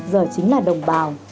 giờ chính là đồng bào